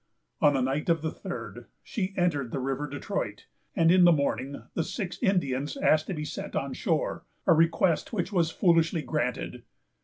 On the night of the third, she entered the River Detroit; and in the morning the six Indians asked to be set on shore, a request which was foolishly granted.